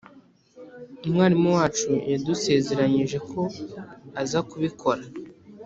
umwarimu wacu yadusezeranyije ko aza bikora